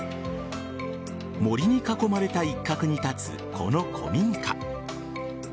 森に囲まれた一角に立つこの古民家。